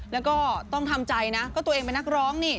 แล้วก็ต้องทำใจนะก็ตัวเองเป็นนักร้องนี่